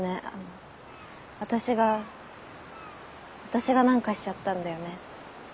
あの私が私が何かしちゃったんだよね？